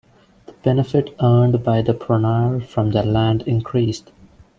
The benefit earned by the pronoiars from their land increased.